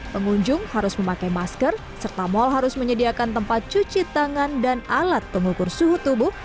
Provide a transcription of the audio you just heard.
pengunjung harus memakai masker serta mal harus menyediakan tempat cuci tangan dan alat pengukur suhu tubuh